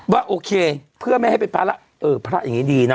ว่าโอเคเพื่อไม่ให้เป็นพระอย่างนี้ดีนะ